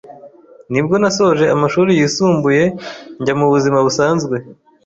nibwo nasoje amashuri yisumbuye, njya mu buzima busanzwe